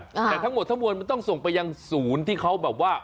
แต่ทั้งหมดทั้งมวลมันต้องส่งไปยังศูนย์ที่เขาแบบว่า